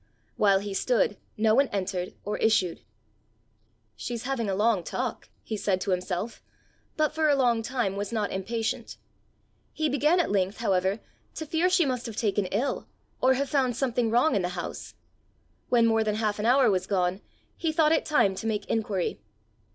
While he stood no one entered or issued. "She's having a long talk!" he said to himself, but for a long time was not impatient. He began at length, however, to fear she must have been taken ill, or have found something wrong in the house. When more than half an hour was gone, he thought it time to make inquiry.